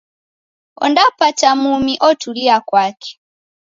Ondapata mumi, otulia kwake